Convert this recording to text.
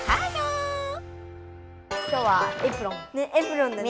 今日はエプロン。ね！